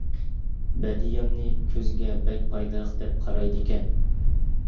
بەدىياننى كۆزگە بەك پايدىلىق دەپ قارايدىكەن.